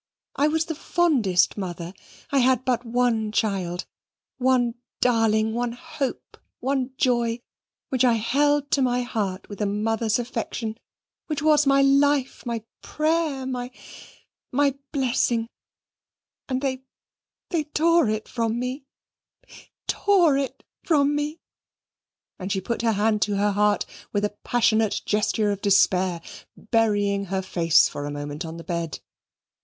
I was the fondest mother. I had but one child, one darling, one hope, one joy, which I held to my heart with a mother's affection, which was my life, my prayer, my my blessing; and they they tore it from me tore it from me"; and she put her hand to her heart with a passionate gesture of despair, burying her face for a moment on the bed.